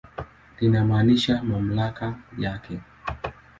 Linamaanisha mamlaka yake.